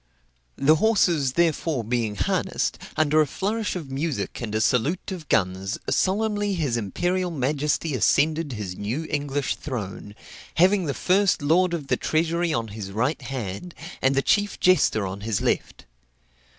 The horses, therefore, being harnessed, under a flourish of music and a salute of guns, solemnly his imperial majesty ascended his new English throne, having the first lord of the treasury on his right hand, and the chief jester on his left.